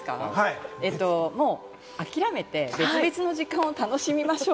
諦めて、別々の時間を楽しみましょう。